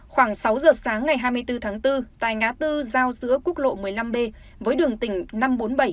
khoảng sáu giờ sáng ngày hai mươi bốn tháng bốn tại ngã tư giao giữa quốc lộ một mươi năm b với đường tỉnh năm trăm bốn mươi bảy